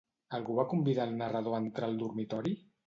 Algú va convidar el narrador a entrar al dormitori?